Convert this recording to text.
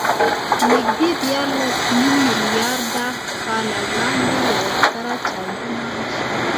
نږدې دیارلسنیم میلیارده کاله وړاندې یوه ستره چاودنه وشوه.